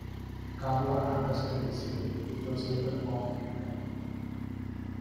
Karla contested this will which was later found to be invalid.